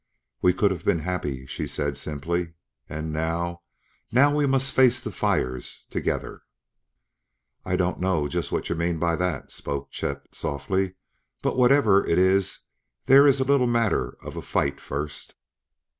"We could have been happy," she said simply; "and now now we must face the fires together." "I don't know just what you mean by that," spoke Chet softly, "but, whatever it is, there is a little matter of a fight first."